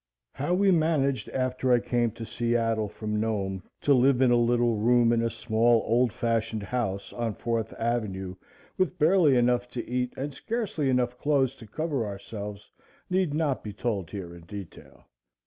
How we managed after I came to Seattle from Nome to live in a little room in a small old fashioned house on Fourth Avenue with barely enough to eat and scarcely enough clothes to cover ourselves need not be told here in detail.